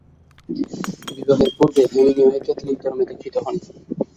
বিবাহের পূর্বে Hemingway Catholic ধর্মে দীক্ষিত হন।